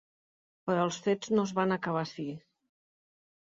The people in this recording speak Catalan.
Però els fets no es van acabar ací.